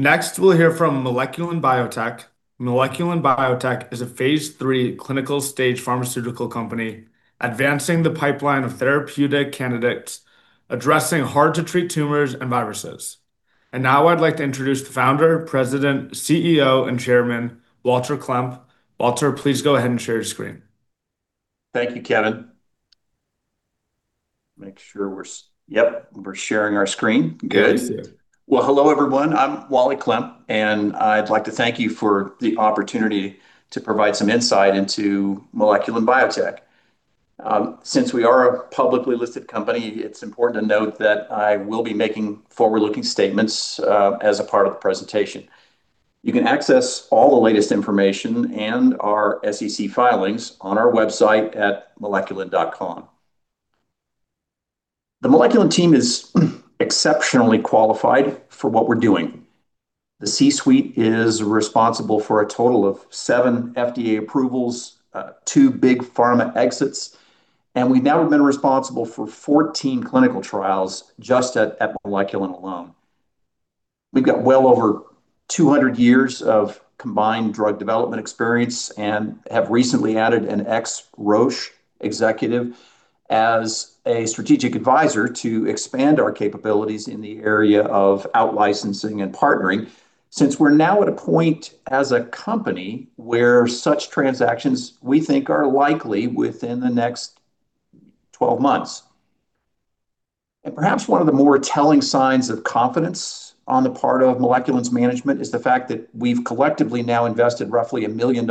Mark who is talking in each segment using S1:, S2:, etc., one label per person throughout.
S1: Next we'll hear from Moleculin Biotech. Moleculin Biotech is a Phase 3 clinical stage pharmaceutical company advancing the pipeline of therapeutic candidates, addressing hard-to-treat tumors and viruses. Now I'd like to introduce the founder, president, CEO, and chairman Walter Klemp. Walter, please go ahead and share your screen.
S2: Thank you, Kevin. Make sure we're. Yep, we're sharing our screen. Good.
S1: Thank you.
S2: Well, hello everyone. I'm Wally Klemp, and I'd like to thank you for the opportunity to provide some insight into Moleculin Biotech. Since we are a publicly listed company, it's important to note that I will be making forward-looking statements as a part of the presentation. You can access all the latest information and our SEC filings on our website at moleculin.com. The Moleculin team is exceptionally qualified for what we're doing. The C-suite is responsible for a total of 7 FDA approvals, 2 Big Pharma exits, and we now have been responsible for 14 clinical trials just at Moleculin alone. We've got well over 200 years of combined drug development experience and have recently added an ex-Roche executive as a strategic advisor to expand our capabilities in the area of outlicensing and partnering since we're now at a point as a company where such transactions we think are likely within the next 12 months. Perhaps one of the more telling signs of confidence on the part of Moleculin's management is the fact that we've collectively now invested roughly $1 million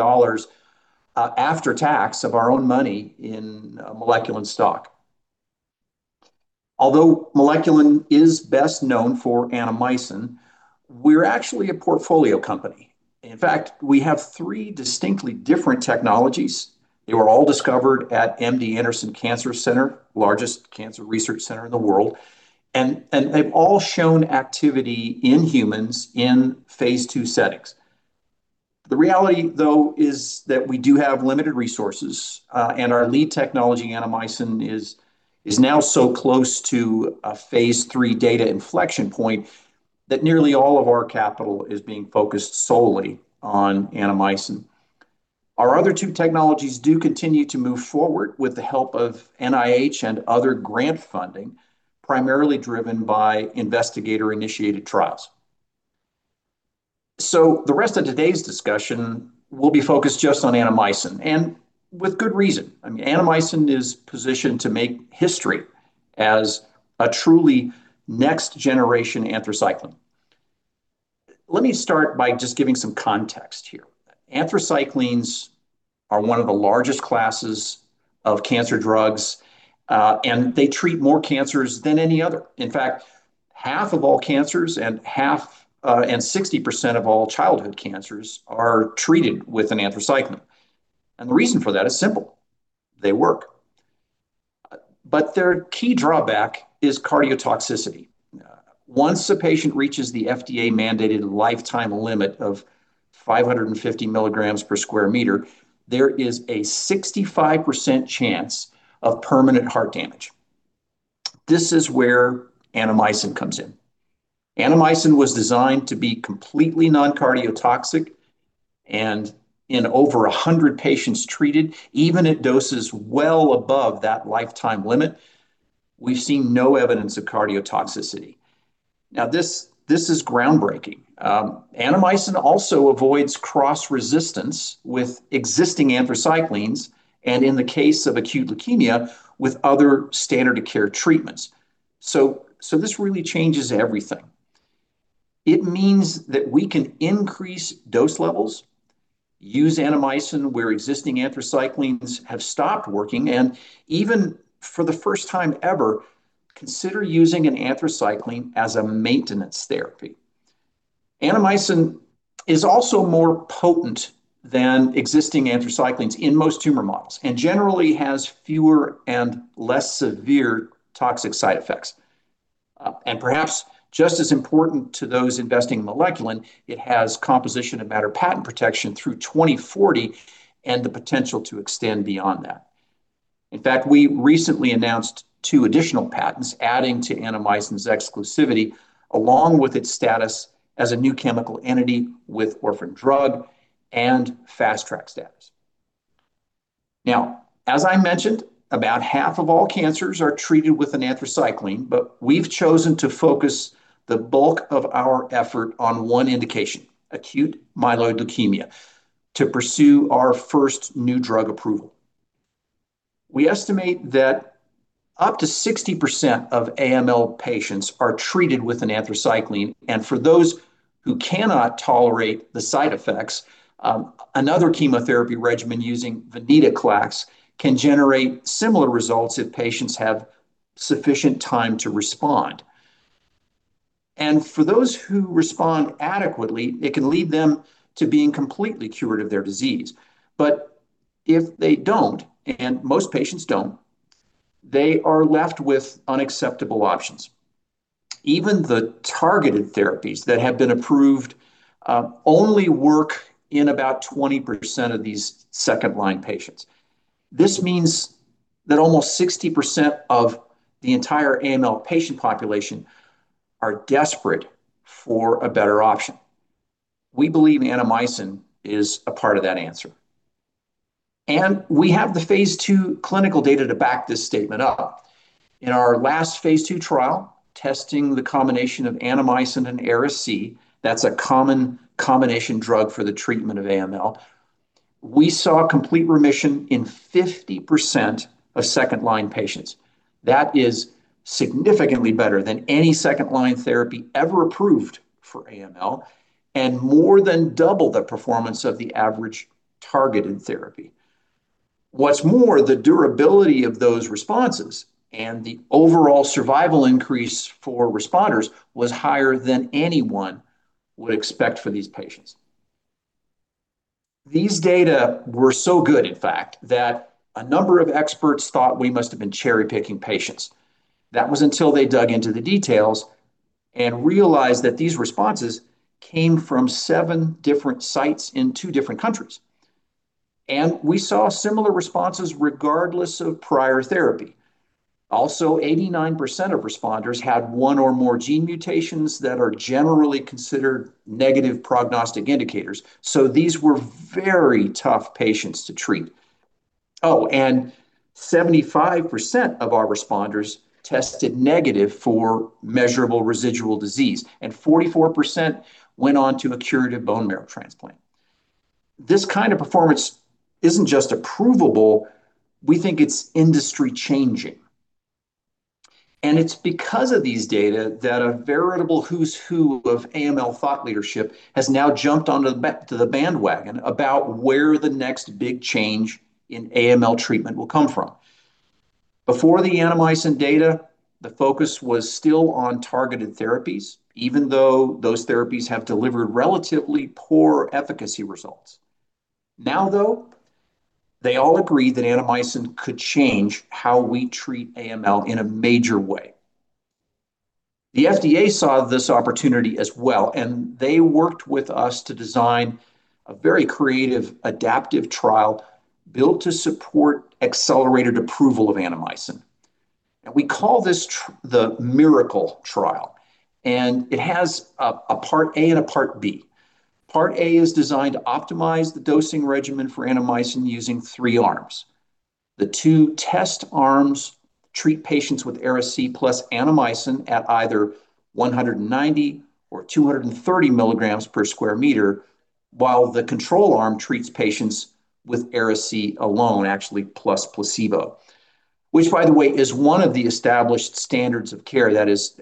S2: after tax of our own money in Moleculin stock. Although Moleculin is best known for Annamycin, we're actually a portfolio company. In fact, we have three distinctly different technologies. They were all discovered at MD Anderson Cancer Center, largest cancer research center in the world, and they've all shown activity in humans in Phase 2 settings. The reality, though, is that we do have limited resources, and our lead technology, Annamycin, is now so close to a Phase 3 data inflection point that nearly all of our capital is being focused solely on Annamycin. Our other two technologies do continue to move forward with the help of NIH and other grant funding, primarily driven by investigator-initiated trials. So the rest of today's discussion will be focused just on Annamycin, and with good reason. I mean, Annamycin is positioned to make history as a truly next-generation anthracycline. Let me start by just giving some context here. Anthracyclines are one of the largest classes of cancer drugs, and they treat more cancers than any other. In fact, half of all cancers and 60% of all childhood cancers are treated with an anthracycline. The reason for that is simple: they work. Their key drawback is cardiotoxicity. Once a patient reaches the FDA-mandated lifetime limit of 550 milligrams per square meter, there is a 65% chance of permanent heart damage. This is where Annamycin comes in. Annamycin was designed to be completely non-cardiotoxic, and in over 100 patients treated, even at doses well above that lifetime limit, we've seen no evidence of cardiotoxicity. Now, this is groundbreaking. Annamycin also avoids cross-resistance with existing anthracyclines and, in the case of acute leukemia, with other standard-of-care treatments. So this really changes everything. It means that we can increase dose levels, use Annamycin where existing anthracyclines have stopped working, and even for the first time ever consider using an anthracycline as a maintenance therapy. Annamycin is also more potent than existing anthracyclines in most tumor models and generally has fewer and less severe toxic side effects. Perhaps just as important to those investing in Moleculin, it has composition and matter patent protection through 2040 and the potential to extend beyond that. In fact, we recently announced two additional patents adding to Annamycin's exclusivity along with its status as a new chemical entity with orphan drug and fast-track status. Now, as I mentioned, about half of all cancers are treated with an anthracycline, but we've chosen to focus the bulk of our effort on one indication, acute myeloid leukemia, to pursue our first new drug approval. We estimate that up to 60% of AML patients are treated with an anthracycline, and for those who cannot tolerate the side effects, another chemotherapy regimen using venetoclax can generate similar results if patients have sufficient time to respond. For those who respond adequately, it can lead them to being completely cured of their disease. But if they don't, and most patients don't, they are left with unacceptable options. Even the targeted therapies that have been approved only work in about 20% of these second-line patients. This means that almost 60% of the entire AML patient population are desperate for a better option. We believe Annamycin is a part of that answer. And we have the Phase 2 clinical data to back this statement up. In our last Phase 2 trial, testing the combination of Annamycin and Ara-C, that's a common combination drug for the treatment of AML, we saw complete remission in 50% of second-line patients. That is significantly better than any second-line therapy ever approved for AML and more than double the performance of the average targeted therapy. What's more, the durability of those responses and the overall survival increase for responders was higher than anyone would expect for these patients. These data were so good, in fact, that a number of experts thought we must have been cherry-picking patients. That was until they dug into the details and realized that these responses came from 7 different sites in 2 different countries. We saw similar responses regardless of prior therapy. Also, 89% of responders had one or more gene mutations that are generally considered negative prognostic indicators. These were very tough patients to treat. Oh, and 75% of our responders tested negative for measurable residual disease, and 44% went on to a curative bone marrow transplant. This kind of performance isn't just approvable. We think it's industry-changing. It's because of these data that a veritable who's who of AML thought leadership has now jumped onto the bandwagon about where the next big change in AML treatment will come from. Before the Annamycin data, the focus was still on targeted therapies, even though those therapies have delivered relatively poor efficacy results. Now, though, they all agree that Annamycin could change how we treat AML in a major way. The FDA saw this opportunity as well, and they worked with us to design a very creative, adaptive trial built to support accelerated approval of Annamycin. And we call this the MIRACLE trial, and it has a Part A and a Part B. Part A is designed to optimize the dosing regimen for Annamycin using three arms. The two test arms treat patients with Ara-C plus Annamycin at either 190 or 230 milligrams per square meter, while the control arm treats patients with Ara-C alone, actually plus placebo, which, by the way, is one of the established standards of care. That is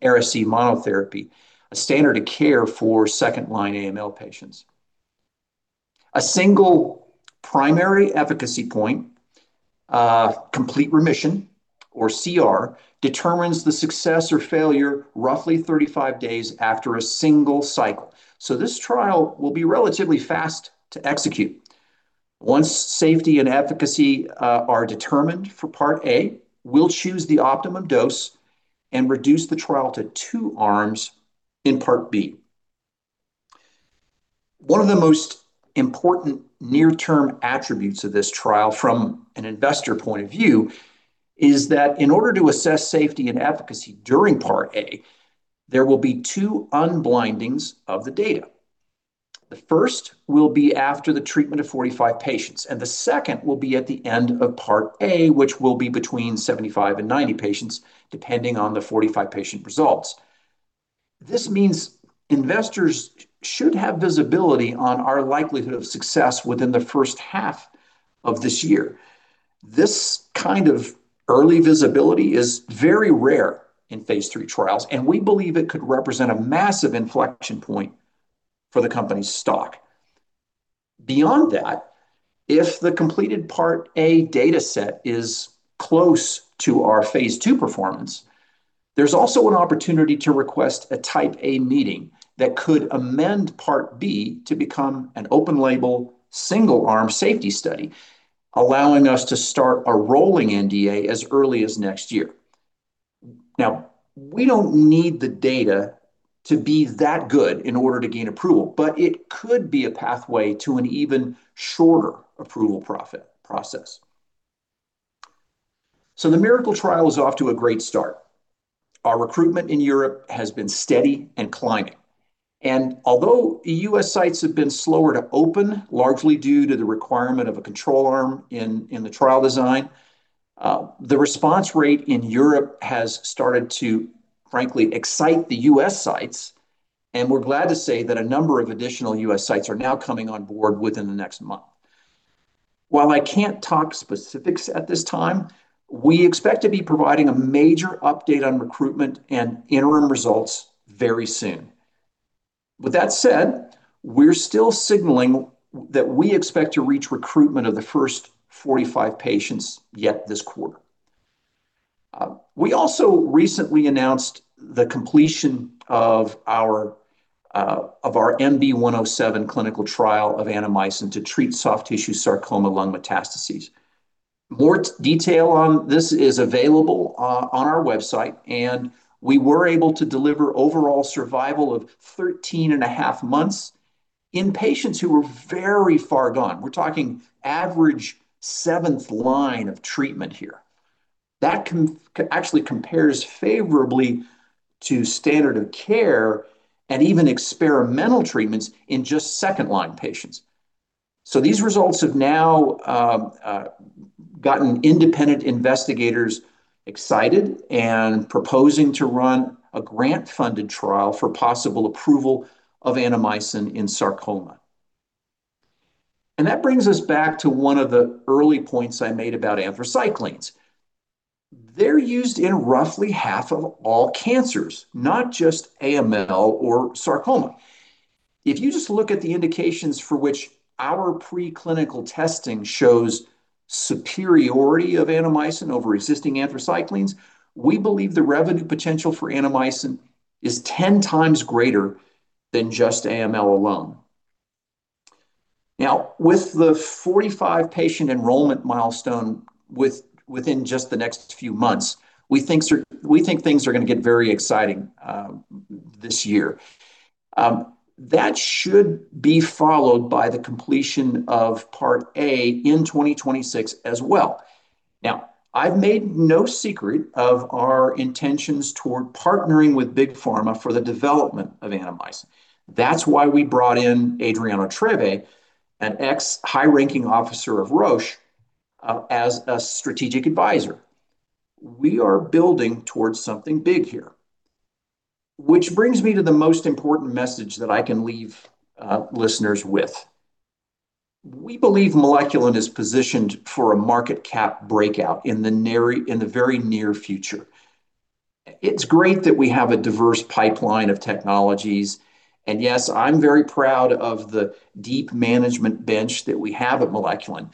S2: Ara-C monotherapy, a standard of care for second-line AML patients. A single primary efficacy point, complete remission or CR, determines the success or failure roughly 35 days after a single cycle. So this trial will be relatively fast to execute. Once safety and efficacy are determined for Part A, we'll choose the optimum dose and reduce the trial to two arms in Part B. One of the most important near-term attributes of this trial from an investor point of view is that in order to assess safety and efficacy during Part A, there will be two unblindings of the data. The first will be after the treatment of 45 patients, and the second will be at the end of Part A, which will be between 75 and 90 patients, depending on the 45-patient results. This means investors should have visibility on our likelihood of success within the first half of this year. This kind of early visibility is very rare in Phase 3 trials, and we believe it could represent a massive inflection point for the company's stock. Beyond that, if the completed Part A dataset is close to our Phase 2 performance, there's also an opportunity to request a Type A Meeting that could amend Part B to become an open-label single-arm safety study, allowing us to start a rolling NDA as early as next year. Now, we don't need the data to be that good in order to gain approval, but it could be a pathway to an even shorter approval process. So the MIRACLE trial is off to a great start. Our recruitment in Europe has been steady and climbing. And although U.S. Sites have been slower to open, largely due to the requirement of a control arm in the trial design. The response rate in Europe has started to, frankly, excite the U.S. sites, and we're glad to say that a number of additional U.S. sites are now coming on board within the next month. While I can't talk specifics at this time, we expect to be providing a major update on recruitment and interim results very soon. With that said, we're still signaling that we expect to reach recruitment of the first 45 patients yet this quarter. We also recently announced the completion of our MB107 clinical trial of Annamycin to treat soft tissue sarcoma lung metastases. More detail on this is available on our website, and we were able to deliver overall survival of 13.5 months in patients who were very far gone. We're talking average seventh line of treatment here. That actually compares favorably to standard-of-care and even experimental treatments in just second-line patients. So these results have now gotten independent investigators excited and proposing to run a grant-funded trial for possible approval of Annamycin in sarcoma. And that brings us back to one of the early points I made about anthracyclines. They're used in roughly half of all cancers, not just AML or sarcoma. If you just look at the indications for which our preclinical testing shows superiority of Annamycin over existing anthracyclines, we believe the revenue potential for Annamycin is 10 times greater than just AML alone. Now, with the 45-patient enrollment milestone within just the next few months, we think things are going to get very exciting this year. That should be followed by the completion of Part A in 2026 as well. Now, I've made no secret of our intentions toward partnering with Big Pharma for the development of Annamycin. That's why we brought in Adriano Treve, an ex-high-ranking officer of Roche, as a strategic advisor. We are building towards something big here, which brings me to the most important message that I can leave listeners with. We believe Moleculin is positioned for a market cap breakout in the very near future. It's great that we have a diverse pipeline of technologies, and yes, I'm very proud of the deep management bench that we have at Moleculin.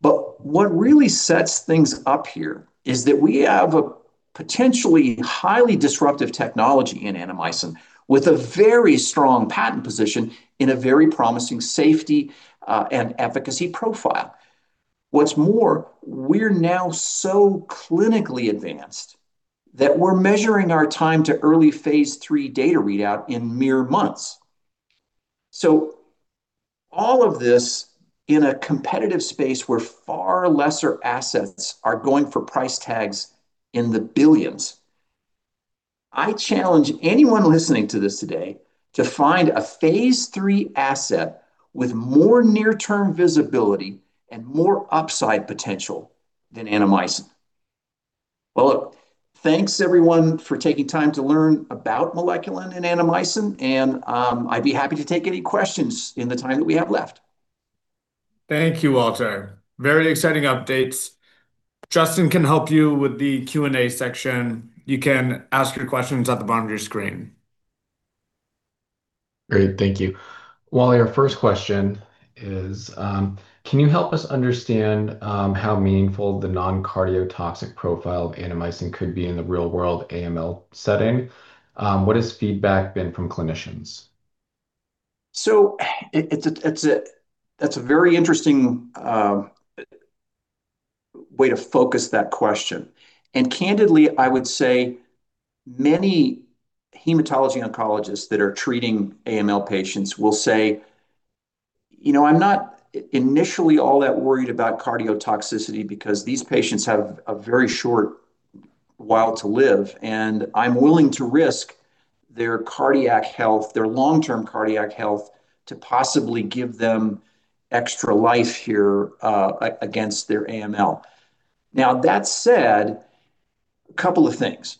S2: But what really sets things up here is that we have a potentially highly disruptive technology in Annamycin with a very strong patent position in a very promising safety and efficacy profile. What's more, we're now so clinically advanced that we're measuring our time to early Phase 3 data readout in mere months. So all of this in a competitive space where far lesser assets are going for price tags in the $ billions. I challenge anyone listening to this today to find a Phase 3 asset with more near-term visibility and more upside potential than Annamycin. Well, thanks, everyone, for taking time to learn about Moleculin and Annamycin, and I'd be happy to take any questions in the time that we have left.
S1: Thank you, Walter. Very exciting updates. Justin can help you with the Q&A section. You can ask your questions at the bottom of your screen. Great. Thank you. Wally, our first question is, can you help us understand how meaningful the non-cardiotoxic profile of Annamycin could be in the real-world AML setting? What has feedback been from clinicians?
S2: So that's a very interesting way to focus that question. And candidly, I would say many hematology oncologists that are treating AML patients will say, "I'm not initially all that worried about cardiotoxicity because these patients have a very short while to live, and I'm willing to risk their cardiac health, their long-term cardiac health, to possibly give them extra life here against their AML." Now, that said, a couple of things.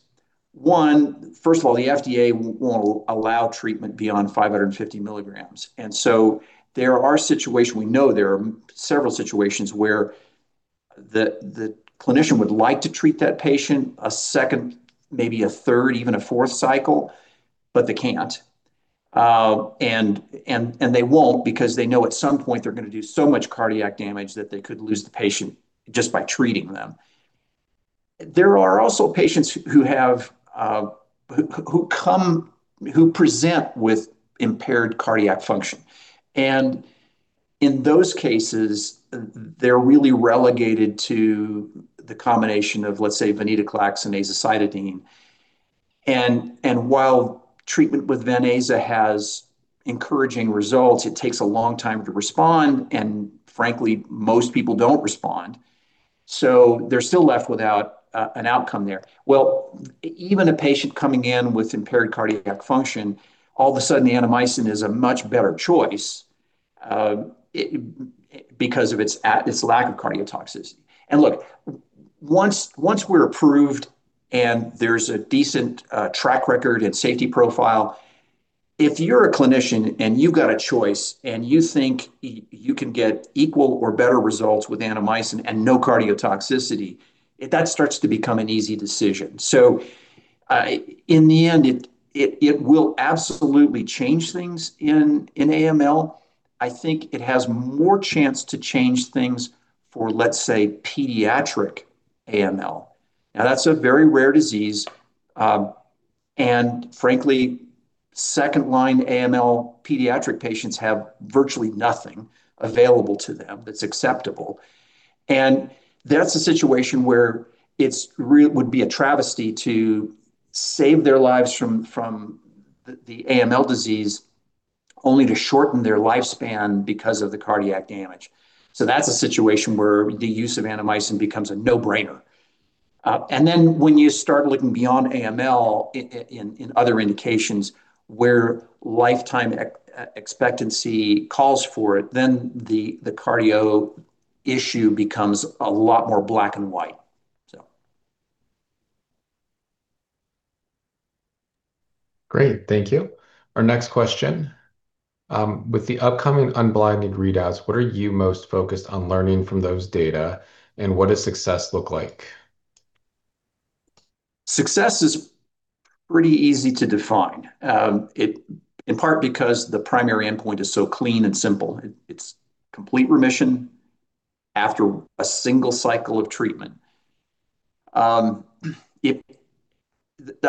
S2: One, first of all, the FDA won't allow treatment beyond 550 milligrams. And so there are situations we know there are several situations where the clinician would like to treat that patient a second, maybe a third, even a fourth cycle, but they can't. And they won't because they know at some point they're going to do so much cardiac damage that they could lose the patient just by treating them. There are also patients who present with impaired cardiac function. In those cases, they're really relegated to the combination of, let's say, venetoclax and azacitidine. While treatment with venetoclax has encouraging results, it takes a long time to respond, and frankly, most people don't respond. So they're still left without an outcome there. Well, even a patient coming in with impaired cardiac function, all of a sudden, Annamycin is a much better choice because of its lack of cardiotoxicity. And look, once we're approved and there's a decent track record and safety profile, if you're a clinician and you've got a choice and you think you can get equal or better results with Annamycin and no cardiotoxicity, that starts to become an easy decision. So in the end, it will absolutely change things in AML. I think it has more chance to change things for, let's say, pediatric AML. Now, that's a very rare disease. And frankly, second-line AML pediatric patients have virtually nothing available to them that's acceptable. And that's a situation where it would be a travesty to save their lives from the AML disease only to shorten their lifespan because of the cardiac damage. So that's a situation where the use of Annamycin becomes a no-brainer. And then when you start looking beyond AML in other indications where lifetime expectancy calls for it, then the cardio issue becomes a lot more black and white, so.
S1: Great. Thank you. Our next question, with the upcoming unblinding readouts, what are you most focused on learning from those data, and what does success look like?
S2: Success is pretty easy to define, in part because the primary endpoint is so clean and simple. It's complete remission after a single cycle of treatment. I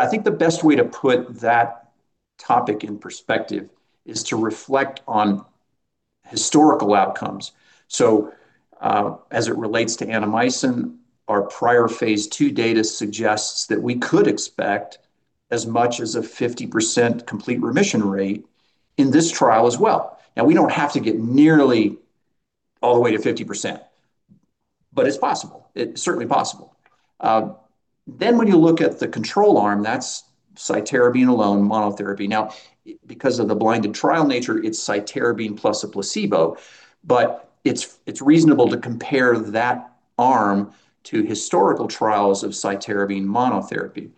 S2: think the best way to put that topic in perspective is to reflect on historical outcomes. So as it relates to Annamycin, our prior Phase 2 data suggests that we could expect as much as a 50% complete remission rate in this trial as well. Now, we don't have to get nearly all the way to 50%, but it's possible, certainly possible. Then when you look at the control arm, that's cytarabine alone, monotherapy. Now, because of the blinded trial nature, it's cytarabine plus a placebo, but it's reasonable to compare that arm to historical trials of cytarabine monotherapy.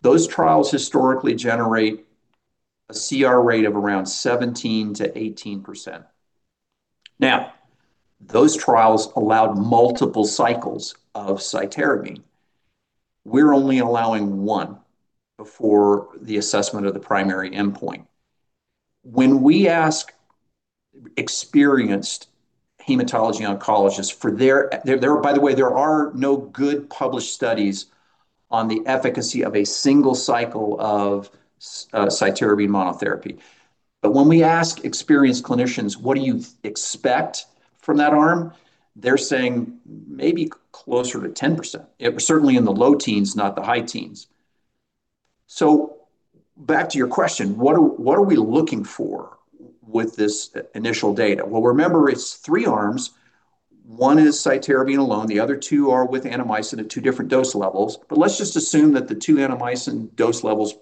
S2: Those trials historically generate a CR rate of around 17%-18%. Now, those trials allowed multiple cycles of cytarabine. We're only allowing one before the assessment of the primary endpoint. When we ask experienced hematology oncologists for their, by the way, there are no good published studies on the efficacy of a single cycle of cytarabine monotherapy. But when we ask experienced clinicians, "What do you expect from that arm?" they're saying maybe closer to 10%, certainly in the low teens, not the high teens. So back to your question, what are we looking for with this initial data? Well, remember, it's three arms. One is cytarabine alone. The other two are with Annamycin at two different dose levels. But let's just assume that the two Annamycin dose levels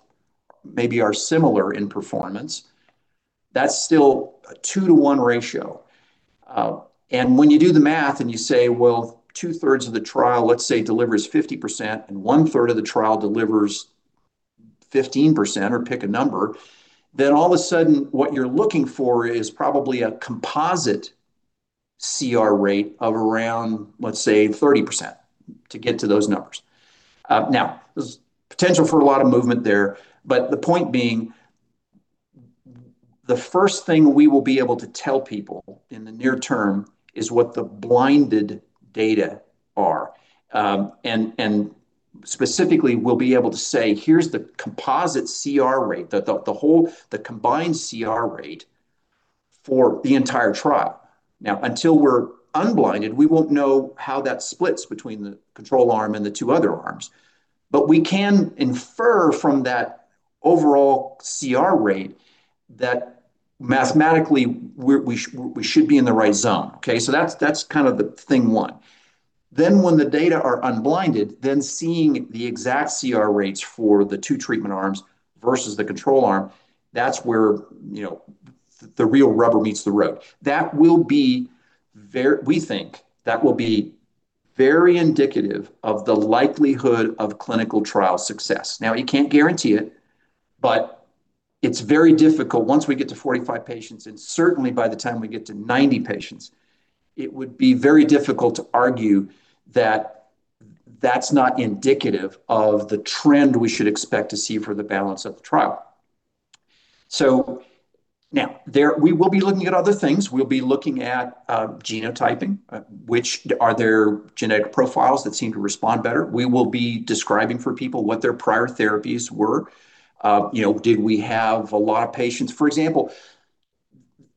S2: maybe are similar in performance. That's still a 2-to-1 ratio. When you do the math and you say, "Well, two-thirds of the trial, let's say, delivers 50% and one-third of the trial delivers 15%," or pick a number, then all of a sudden, what you're looking for is probably a composite CR rate of around, let's say, 30% to get to those numbers. Now, there's potential for a lot of movement there. But the point being, the first thing we will be able to tell people in the near term is what the blinded data are. And specifically, we'll be able to say, "Here's the composite CR rate, the combined CR rate for the entire trial." Now, until we're unblinded, we won't know how that splits between the control arm and the two other arms. But we can infer from that overall CR rate that mathematically, we should be in the right zone, okay? So that's kind of the thing one. Then when the data are unblinded, then seeing the exact CR rates for the 2 treatment arms versus the control arm, that's where the real rubber meets the road. That will be very we think that will be very indicative of the likelihood of clinical trial success. Now, you can't guarantee it, but it's very difficult once we get to 45 patients. And certainly, by the time we get to 90 patients, it would be very difficult to argue that that's not indicative of the trend we should expect to see for the balance of the trial. So now, we will be looking at other things. We'll be looking at genotyping, which are there genetic profiles that seem to respond better? We will be describing for people what their prior therapies were. Did we have a lot of patients? For example,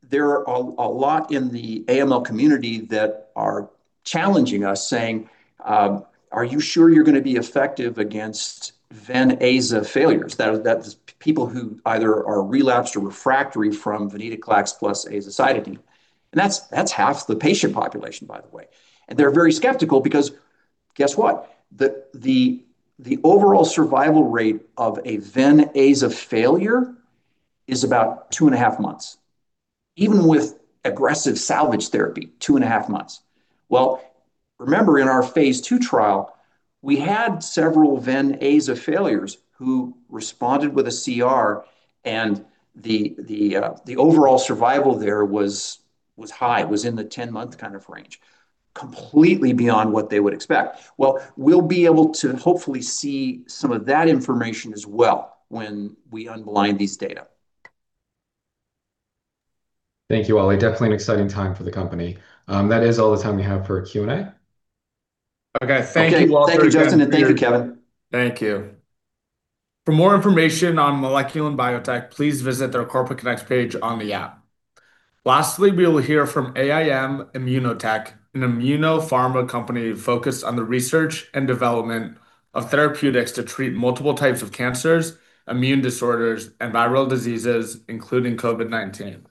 S2: there are a lot in the AML community that are challenging us, saying, "Are you sure you're going to be effective against venetoclax failures?" That's people who either are relapsed or refractory from venetoclax plus azacitidine. And that's half the patient population, by the way. And they're very skeptical because guess what? The overall survival rate of a venetoclax failure is about 2.5 months, even with aggressive salvage therapy, 2.5 months. Well, remember, in our Phase 2 trial, we had several venetoclax failures who responded with a CR, and the overall survival there was high, was in the 10-month kind of range, completely beyond what they would expect. Well, we'll be able to hopefully see some of that information as well when we unblind these data.
S1: Thank you, Wally. Definitely an exciting time for the company. That is all the time we have for Q&A. Okay. Thank you, Wally.
S2: Thank you, Justin. Thank you, Kevin.
S1: Thank you. For more information on Moleculin Biotech, please visit their Corporate Connects page on the app. Lastly, we will hear from AIM ImmunoTech, an immunopharma company focused on the research and development of therapeutics to treat multiple types of cancers, immune disorders, and viral diseases, including COVID-19.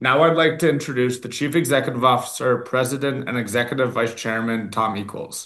S1: Now, I'd like to introduce the Chief Executive Officer, President, and Executive Vice Chairman, Thomas K. Equels.